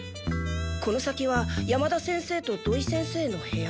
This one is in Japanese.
この先は山田先生と土井先生の部屋。